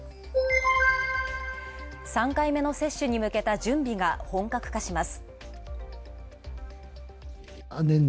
３回目の接種に向けた準備が本格化します。